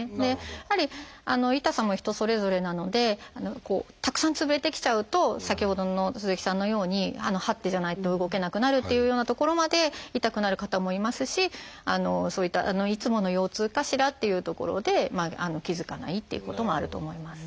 やはり痛さも人それぞれなのでたくさんつぶれてきちゃうと先ほどの鈴木さんのようにはってじゃないと動けなくなるっていうようなところまで痛くなる方もいますしそういったいつもの腰痛かしらっていうところで気付かないっていうこともあると思います。